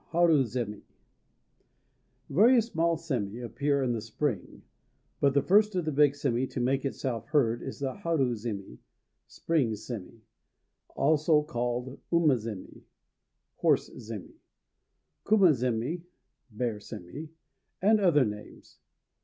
HARU ZÉMI. VARIOUS small sémi appear in the spring. But the first of the big sémi to make itself heard is the haru zémi ("spring sémi"), also called uma zémi ("horse sémi"), kuma zémi ("bear sémi"), and other names.